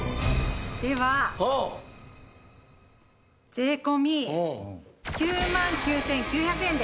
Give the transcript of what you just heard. では税込９万９９００円で。